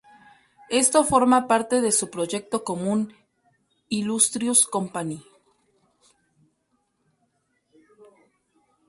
Esto forma parte de su proyecto común Illustrious Company.